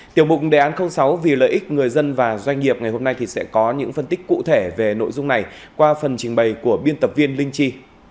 tiểu mục đề án sáu vì lợi ích người dân và doanh nghiệp ngày hôm nay sẽ có những phân tích cụ thể về nội dung này qua phần trình bày của biên tập viên linh chi